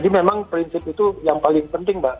memang prinsip itu yang paling penting mbak